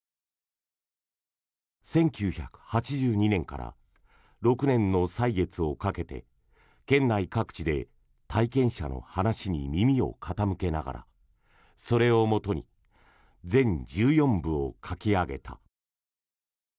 １９８２年から６年の歳月をかけて県内各地で体験者の話に耳を傾けながらそれをもとに全１４部を描き上げた。